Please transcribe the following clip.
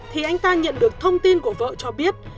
thì anh ta nhận được thông tin của vợ cho biết